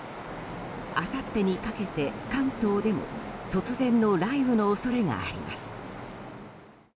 あさってにかけて関東でも突然の雷雨の恐れがあります。